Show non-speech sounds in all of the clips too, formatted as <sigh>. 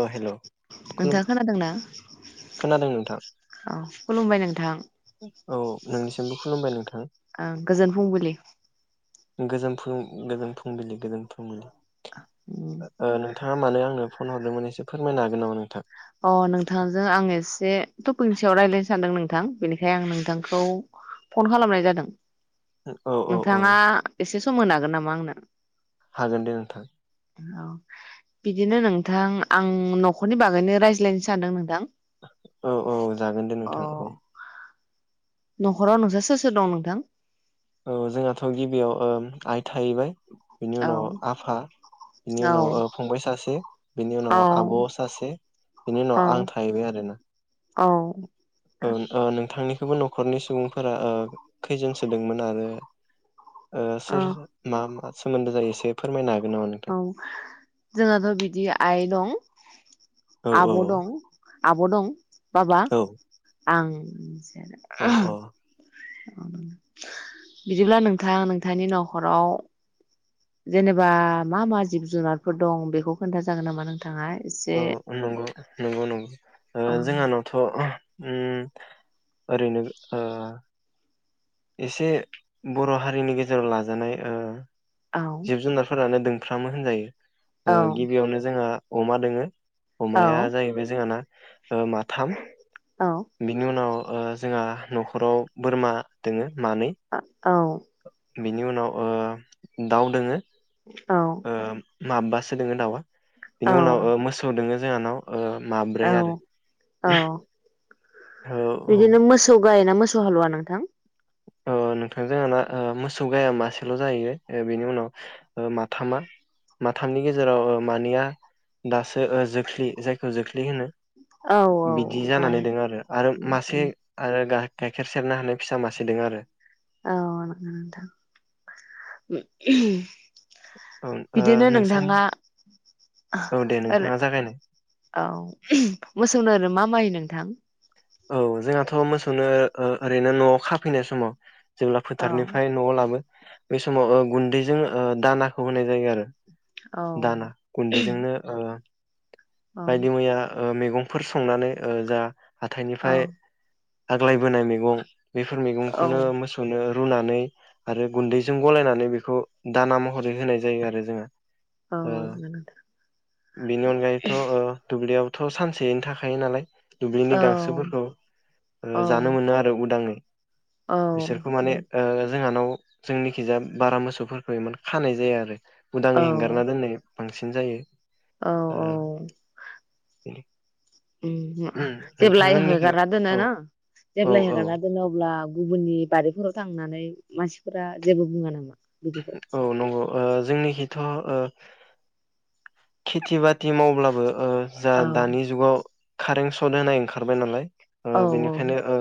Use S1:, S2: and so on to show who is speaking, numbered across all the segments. S1: अ hello खुलुम
S2: नोंथाङा खोनादोंना
S1: खोनादों नोंथां
S2: औ खुलुमबाय नोंथां
S1: औ नोंनिसिमबो खुलुमबाय नोंथां
S2: ओं गोजोन फुंबिलि
S1: गोजन फुं गोजन फुंबिलि गोजोन फुंबिलि ओ नोंथां नोंथाङा मानो आंनो फन हरदोंमोन एसे फोरमायनो हागोन नामा नोंथां
S2: अ नोंथांजों आं एसे टफिक नि सायाव रायज्लायनो सानदों नोंथां बेनिखायनो आं नोंथांखौ फन खालामनाय जादों।
S1: औ औ औ
S2: नोंथाङा एसे सम होनो हागोन नामा आंनो?
S1: हागोन दे नोंथां।
S2: औ बिदिनो नोंथां आं नखरनि बागैनो रायज्लायनो सानदों नोंथां?
S1: औ औ जागोन दे
S2: अ
S1: नोंथां। औ
S2: नखराव नोंसा सोर सोर दं नोंथां?
S1: औ जोंहाथ' गिबियाव ओम आइ, थाहैबाय बिनि
S2: औ
S1: उनाव आफा बिनि
S2: औ
S1: उनाव ओ फंबाय सासे, <inaudible> बेनि
S2: औ
S1: उनाव आब सासे, बिनि
S2: औ
S1: उनाव आं थाहैबाय आरो ना।
S2: औ
S1: ओ ओ नोंथांनि नखरनि सुबुंफोरा ओ खैजोन सोदोंमोन आरो ओ
S2: औ
S1: सोर मा मा सोमोन्दो जायो एसे फोरमायनो हागोन नामा
S2: औ
S1: नोंथां?
S2: जोंहाथ' बिदि आइ दं,
S1: औ
S2: <unintelligible> आब
S1: औ
S2: दं, आब दं, बाबा,
S1: औ
S2: आं।
S1: अ अ
S2: <inaudible> बिदिब्ला नोंथां नोंथांनि नखराव जेनेबा मा मा जिब जुनारफोर दं बेखौ खोन्था जागोन नामा नों
S1: औ नंगौ नंगौ
S2: ओं
S1: जोंहानावथ' उ ओरैनो ओ एसे बर' हारिनि गेजेराव लाजानाय
S2: औ
S1: जिब जुनारफोरानो दों फ्रामो होनजायो।
S2: औ
S1: ओ गिबियावनो जोंहा अमा दोङो,
S2: औ
S1: अमाया जाहैबाय जोंहाना माथाम,
S2: औ
S1: बिनि उनाव ओ जोंहा नखराव बोरमा दोङो मानै।
S2: औ।
S1: बिनि उनाव ओ दाउ दोङो
S2: औ
S1: ओ माबबासो दोङो दाउया
S2: औ
S1: बिनि उनाव ओ मोसौ दोङो जोंहानाव ओ माब्रै
S2: औ
S1: आरो
S2: औ
S1: औ औ
S2: बिदिनो मोसौ गाय ना मो सौ हालुवा नोंथां?
S1: ओ नोंथां जोंहाना ओ मोसौ गाया मासेल जाहैयो बेनि उनाव ओ माथामा माथामनि गेजेराव ओ मानैया दासो ओ जोख्लि जायखौ जोख्लि होनो
S2: औ
S1: बिदि
S2: औ गाय
S1: जानानै दं आरो आरो मासे आरो गाह गाइखेर सेरनो हानाय फिसा मा से दों आरो
S2: औ नंगौ नोंथां।
S1: औ ओ
S2: बिदिनो
S1: नोंसानि
S2: नोंथाङा ओह
S1: औ दे
S2: ओर
S1: नोंथाङा जागायनाय
S2: औ मोसौनो आरो मा माइ थां
S1: औ जोंहाथ मोसौनो ओ ओरैनो न'आव खाफैनाय समाव जेब्ला
S2: औ
S1: फोथारनिफ्राय न'आव लाबो बे समाव ओ गुन्दैजों ओ दानाखौ होनाय जायो आरो
S2: औ
S1: दाना गुन्दैजोंनो ओ
S2: औ
S1: बायदि मैया ओ मैगंफोर संनानै ओ जा
S2: औ
S1: हाथाइनिफ्राय आग्लाय बोनाय मैगं बेफोर मैगंखौनो
S2: औ
S1: मोसौनो रुनानै आरो गुन्दैजों गलायनानै बेखौ दाना महरै होनाय जायो आरो जोङो।
S2: औ
S1: ओ
S2: नंगौ नोंथां
S1: बेनि अनगायैथ' दुब्लियाव थ' सानसेयैनो थाखायो नालाय
S2: औ
S1: गांसोफोरखौ
S2: औ
S1: ओ जानो मोनो आरो उदाङै
S2: औ
S1: बिसोरखौ माने ओ जोंहानाव जोंनिखिजाय बारा मोसौफोरखौ इमान खानाय जाया आरो उदांयै
S2: औ
S1: हिेंगारना दोननाय बांसिन जायो।
S2: औ औ
S1: ओ
S2: उम मा। जेब्लााय
S1: नोंथांमोननिखै
S2: हगारना दोनो
S1: औ
S2: ना
S1: औ
S2: जेबब्ला
S1: औ
S2: हगारना दोनो अब्ला बा गुबुननि बारिफोराव थांनानै मानसिफोरा जेबो बुङा नामा बिदिखौ
S1: औ नंगौ ओ जोंनिखिथ ओ खेथि बाथि मावब्लाबो ओ जा
S2: औ
S1: दानि जुगाव कारेन्ट सट होनाय ओंखारबाय नालाय ओ
S2: औ
S1: बेनिखायनो ओ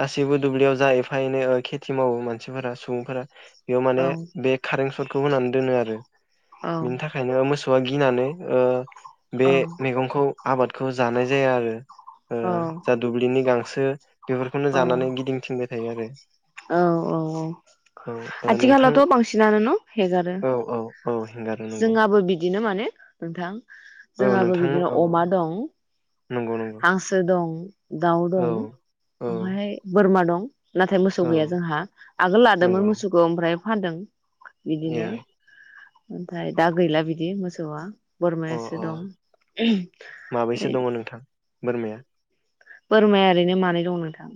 S1: गासैबो दुब्लियाव जा एफा एनै ओ खेथि मावो मानसिफोरा सुबुंफोरा बेयाव
S2: औ
S1: माने बे कारेन सट खौ होनानै दोनो आरो
S2: औ
S1: बिनि थाखायनो मोसौआ गि गिनानै ओ बे
S2: औ
S1: मैगंखौ आबादखौ जानाय जाया आरो ओ
S2: औ
S1: जा दुब्लिनि गां सो बेफोरखौनो
S2: औ
S1: जानानै गिदिंथिंबाय थायो आरो
S2: औ औ औ
S1: औ ओ नोंथां
S2: आथिखालावथ बांसिनानो न हेगारो
S1: औ औ औ हेंगारनो नंगौ
S2: जोंहाबो बिदिनो माने नोंथां
S1: औ
S2: जोंहाबो
S1: नोंथां
S2: बिदिनो
S1: औ
S2: अमा दं
S1: नंगौ नंगौ
S2: हांसो दं दाउ
S1: औ
S2: दं
S1: औ
S2: ओमफ्राय बोरमा दं नाथा मोसौ
S1: औ
S2: गैया जोंहा आगोल
S1: नंगौ
S2: लादोंमोन
S1: नंगौ
S2: मोसौखौ ओमफ्राय फानदों
S1: ए
S2: बिदिनो ओमफ्राय दा गैला बिदि मोसौआ
S1: अ
S2: बोरमायसे
S1: अ
S2: दं
S1: माबैसो दङ नोंथां बोरमाया
S2: बोरमाया ओरैनो मानै दं नोंथां।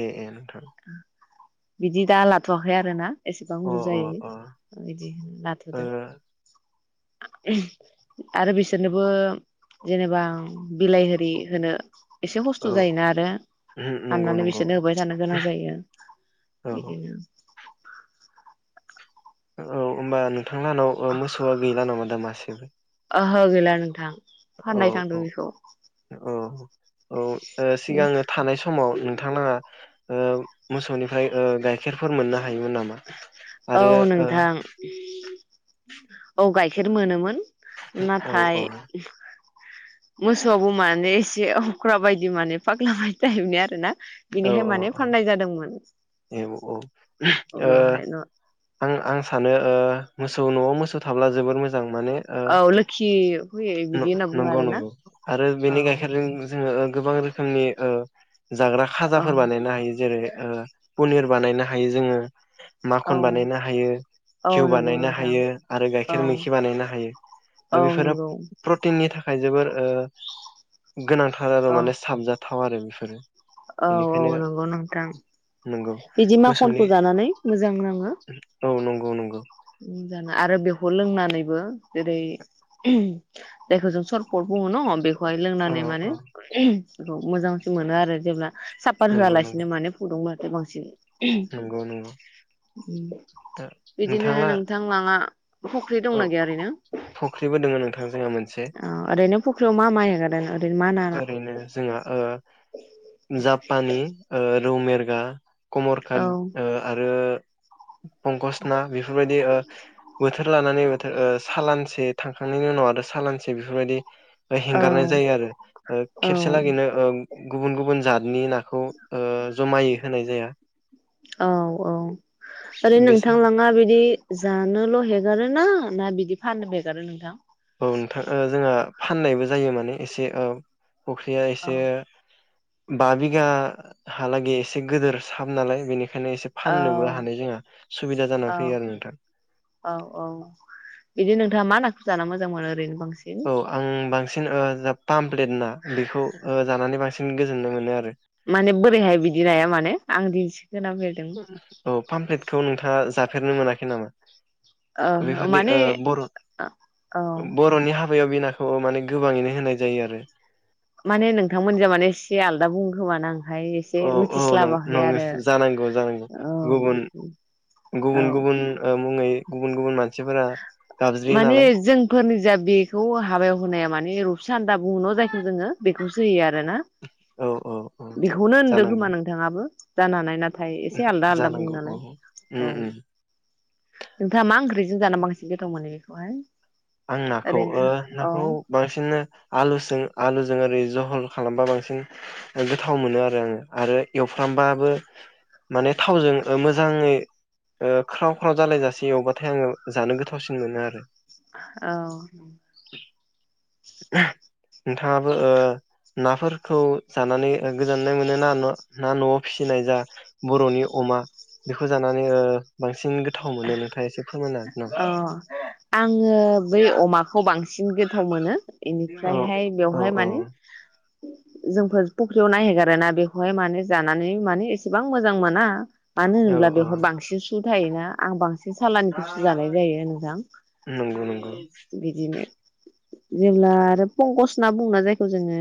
S1: ए ए। नोंथां
S2: <inaudible> बिदि दा लाथ'वाखै आरो ना। एसेबां
S1: अ अ
S2: बुरजायो
S1: अ
S2: बिदि
S1: ओ
S2: लाथ'दो आरो बिसोरनोबो जेनेबा बिलाइ होरि होनो एसे खस्थ
S1: औ
S2: जायोना आरो
S1: नंगौ
S2: हाननानै
S1: नंगौ
S2: बिसोरनो होबाय थानो गोनां जायो
S1: औ
S2: बिदिनो
S1: औ होमबा नोंथांनानाव मोसौआ गैला नामा दा मासेबो?
S2: ओहो गैला नोंथां।
S1: औ
S2: फाननाय थांदों बेखौ
S1: औ औ औ सिगाङो थानाय समाव नोंथांना मोसौनिफ्राय ओ गाइखेरफोर मोननो ह थायोमोन नामा
S2: औ
S1: आरो ओ
S2: नोंथां औ गाइखेर मोनोमोन।
S1: ओ
S2: नाथाय
S1: औ
S2: मोसौआबो मानो एसे एसे अख्रा बायदि माने फाग्ला टाइपनि आरो ना
S1: औ
S2: बिनिहाय
S1: औ
S2: माने
S1: औ
S2: फाननाय जादोंमोन
S1: ए औ ओ
S2: बेवहाय न
S1: आं आं सानो ओ मोसौ न'आव मोसौ थाब्ला जोबोर मोजां माने ओ
S2: औ लोखि फैयो बिदि
S1: न
S2: होनना बुङो
S1: नंगौ
S2: आरोना
S1: नंगौ आरो
S2: औ
S1: बेनि गाइखेरजों जोङो गोबां रोखोमनि ओ जाग्रा खाजाफोर बानायनो हायो जेरै ओ पनिर बानायनो हायो जोङो माखन
S2: औ
S1: बानायनो हायो
S2: औ औ
S1: घीउ
S2: नंगौ
S1: बानायनो
S2: नोंथां
S1: हायो आरो
S2: औ
S1: गाइखेर मैखि बानायनो हायो दा
S2: औ
S1: बेफोरो
S2: नंगौ
S1: प्रटिननि थाखाय जोबोर ओ गोनांथार आरो
S2: औ
S1: माने साबजाथाव थाव आरो बेफोरो
S2: औ औ
S1: बेनिखायनो
S2: नंगौ नोंथां
S1: नंगौ
S2: बिदि
S1: मोसौनि
S2: माखनखौ जानानै मोजां नाङो
S1: औ नंगौ नंगौ।
S2: जाना आरो बेखौ लोंनानैबो जेरै उम जायखौ जों सर्पत बुङो न बेखौ खौहाय
S1: औ
S2: लोंनानै माने
S1: औ
S2: उम बेखौ मोजांसिन मोनो आरो जेब्ला सा पात
S1: नंगौ
S2: होआलासिनो
S1: नंगौ
S2: माने फुदुंङो बांसिन
S1: नंगौ नंगौ था नं
S2: नो नोंथां लाङा फुख्रि दंना गैया ओरैनो
S1: फुख्रिबो दोङो नोंथां जोंहा मोनसे
S2: औ ओरैनो फख्रियाव मा माइ हेगारो ओरैनो मा ना ना?
S1: ओरैनो जोंहा ओ जापानि ओ रौ मिरगा।
S2: औ
S1: खान ओ आरो पंकस ना बेफोरबायदि ओ बोथोर लानानै बोथोर ओ सालानसे थां खांनायनि उनाव आरो सालानसे बेफोरबायदि
S2: औ
S1: हेंगारनाय जायो आरो ओ
S2: औ
S1: खेबसे लागैनो ओ गुबुन गुबन जाद। नि नाखौ ओ जमायै होनाय जाया।
S2: औ औ। ओरैनो
S1: बेसा
S2: नोंथांलाङा बिदि जानोल हेगारोना ना बिदि फाननोबो हेगारो नोंथां।
S1: औ नोंथां ओ जोंहा फाननायबो जायो माने एसे ओ फुख्रिया
S2: औ
S1: एसे बा बिघा हालागै एसे गोदोर साब नालाय बेनिखा बेखायनो एसे फाननोबो हानाय
S2: औ
S1: जोंहा सुबिदा जानानै फैयो आरो नोंथां।
S2: औ औ बिदि नोंथाङा मा नाखौ जाना मोजां मोन ओरैनो बां
S1: औ आं बांसिन ओ जा पामप्लेट ना बेखौ ओ जानानै बांसिन बांसिन गोजोननाय मोनो आरो।
S2: माने बोरैहाय बिदि नाया माने आं दिनैस
S1: औ पामप्लेटखौ नोंथां जाफेरनो मोनाखै नामा
S2: ओ
S1: बेफोरदि
S2: माने
S1: बर'
S2: औ
S1: बर'नि हा सयाबिनाथ' माने गोबाङैनो होनाय जायो आरो।
S2: माने नोंथांमोनजों माने एसे आलदा बुंखोमानो दां
S1: औ औ नं नं जानांगौ जानांगौ
S2: औ
S1: गुबुन
S2: औ
S1: गुबुन गुबुन मुङै गुबुन गुबुन मान
S2: माने जोंफोरनि जा बेखौ हाबायाव होनाया मान निरुफ सान्दा बुङो जायखौ जोङो बेखौसो होयो आरो ना।
S1: औ औ औ
S2: बेखौनो होनदो
S1: जानांगौ
S2: खोमा नोंथाङाबो। जानोहानाय ना फाय एसे आलदा आलादा बुङो
S1: जानांगौ
S2: नालाय
S1: औ उम
S2: औ
S1: उम
S2: नोंथाङा मा ओंख्रिजों जानो बांसि गोथाव मोनैखौहाय
S1: आं नाखौबो नाखौ बांसिन आलुजों आलु जों ओरै जहल खालामबा बांसिन गोथाव मोनो आरो आङो आरो एवफ्रामबाबो माने थावजों मोजाङै ख्राव ख्राव जालायजासे एवबाथाय आङो जानो गोथावसिन मोनो आरो।
S2: औ
S1: नोंथाङाबो नाफोरखौ जानानै गोजोननाय मोनो ना ना नआव फिसिनाय जा बरनि अमा बेखौ जानानै बांसि सिन गोथाव मोनो नोंथाङा एसे फोरमायना नामा
S2: अ आङो बै अमाखौ बांसिन गोथाव मोनो
S1: औ
S2: इनिफ्रायहाय
S1: औ
S2: बेवहाय माने जोंफोर फुख्रियाव ना हेगारोना बेखौहाय माने जानानै माने एसेबां मोजां मोना मानो
S1: औ
S2: होनोब्ला
S1: औ
S2: बेवहाय बांसिन सु थायोना आं बांसिन एसे सालानिखौ बुस्टु जानाय जायो नोंथां
S1: नंगौ नंगौ
S2: बिदिनो जेब्ला आरो पंकस ना बुङोना जायखौ जोङो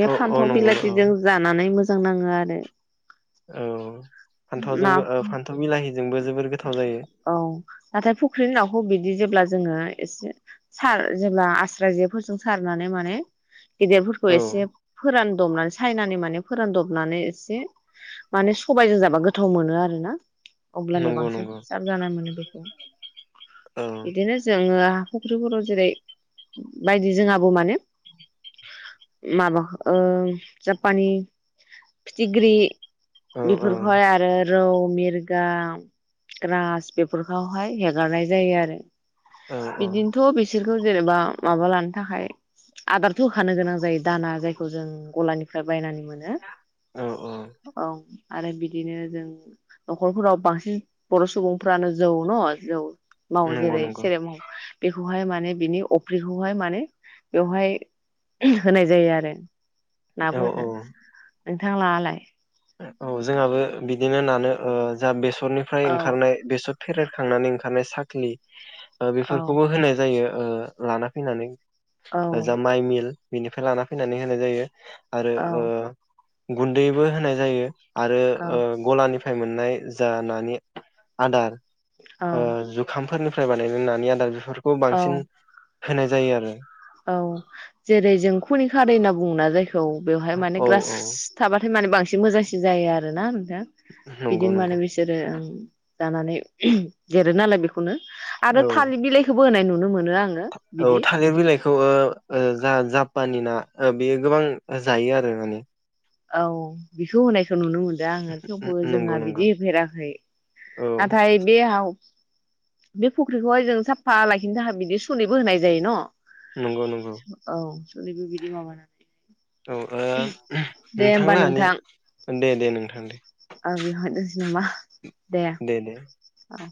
S2: बे
S1: औ औ
S2: फान्थाव
S1: नंगौ औ
S2: बिलाजों जानानै मोजां मोजां नाङो आरो
S1: औ
S2: ना
S1: फान्थावजोंबो फान्थाव बिलाहि जोंबो जोबोर गोथाव जायो
S2: औ नाथाय फुख्रिनि नाखौ बिदि जेब्ला जोङो एसे सार जेब्ला आस्रा जेफोरजों सारनानै माने गेदेरफोरखौ
S1: औ
S2: एसे फोरान दमनानै सायनानै माने फोरानदबनानै एसे माने सबायजों जाबा गोथाव मोनो आरो ना। अब्लानिया
S1: नंगौ
S2: बांसिन
S1: नंगौ
S2: साब जानाय मोनो बेखौ।
S1: औ
S2: बिदिनो जोङो फुख्रिफोराव जेरै बायदि जोंहाबो माने माबा ओ जापानि फिथिग्रि
S1: औ
S2: बेफोरखौहाय आरो रौ मिरगा ग्रास बेफोरखौहाय हेगारनाय जायो आरो
S1: औ
S2: बिदिनोथ बिसोरखौ जेनेबा माबा लानो थाखाय आदारथ होखानो गोनां जायो दाना जायखौ जों गलानिफ्राय बायनानै मोनो
S1: औ औ
S2: औ आरो बिदिनो जों नखरफोराव बांसिन बर' सुबुंफ्रानो जौ न जौ मावो
S1: नंगौ
S2: जेरै
S1: नंगौ
S2: सेरेप मावो बेखौहाय माने बिनि अफ्रिखौहाय माने बेवहाय होनाय जायो आरो
S1: औ औ
S2: नाफोरनो नोंथां लाहालाय
S1: औ जोंहाबो बिदिनो नानो ओ जा बे बेसरनिफ्राय
S2: औ
S1: ओंखारनाय बेसर फेरेरखांनानै ओंखारनाय साख्लि ओ
S2: औ
S1: बेफोरखौबो होनाय जायो। ओ लाना फैनानै
S2: औ
S1: जा माइ मिल बिनिफ्राय लाना फैनानै होनाय जायो आरो
S2: औ
S1: ओ गुन्दैबो होनाय जायो आरो
S2: औ
S1: ओ गलानि फाइ मोननाय जा नानि आदार
S2: औ
S1: ओ जुखामफोरनि फ्राय बानायनाय नानि आदार फोरखौ
S2: औ
S1: बांसिन होनाय जायो आरो
S2: औ जेरै जों खुनि खारै होन्ना बुंङोना जायखौ बेवहाय माने
S1: औ
S2: ग्रास
S1: औ
S2: थाबाथाय माने बांसिन एसे मोजांसिन जायो आरो ना
S1: नंगौ
S2: बिदिनो
S1: नंगौ
S2: माने बिसोरो जानानै देरो नालाय बेखौनो आरो
S1: औ
S2: थालिर बिलाइखौबो बोनाय नुनो मोनो नुदो आङो बिदि
S1: थालिर औ बिलाइखौ ओ जा-जापान नि ना बेयो गोबां जायो आरो माने
S2: औ बिखौ होनायखौ नुनो मोनदों। दा आङो थेवबो
S1: नंगौ
S2: जोंहा
S1: नंगौ
S2: बिदि होफेराखै
S1: औ
S2: नाथाय बेयाव बे फख्रिखौहाय जों साफा लाखिनो थाखाय बिदि सुनैबो होनाय जायो न
S1: नंगौ नंगौ।
S2: बे बिदि माबानानै
S1: औ ओ
S2: दे होमबा नोंथां
S1: दे दे नोंथां दे।
S2: <unintelligible> नामा?
S1: दे दे
S2: औ